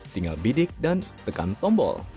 tinggal bidik dan tekan tombol